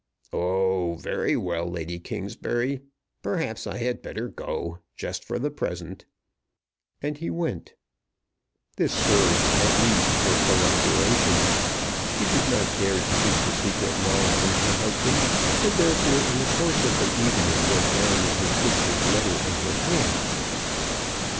"Oh! very well, Lady Kingsbury. Perhaps I had better go, just for the present." And he went. This served, at least, for corroboration. She did not dare to keep the secret long from her husband, and therefore, in the course of the evening, went down with her sister's letter in her hand.